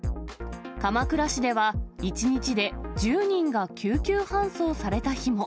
鎌倉市では、１日で１０人が救急搬送された日も。